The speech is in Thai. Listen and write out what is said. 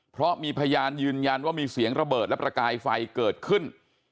เพราะมีพยานยืนยันว่ามีเสียงระเบิดและประกายไฟเกิดขึ้น